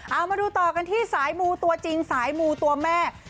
เอามาดูต่อกันที่สายมูตัวจริงสายมูตัวแม่